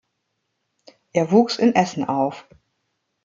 Er wuchs in Essen auf.